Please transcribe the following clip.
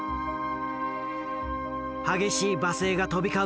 激しい罵声が飛び交う